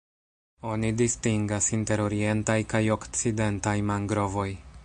Oni distingas inter Orientaj kaj Okcidentaj mangrovoj.